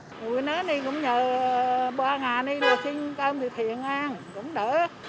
người nữ này cũng nhờ ba nhà này xin cơm thị thiện ăn cũng đỡ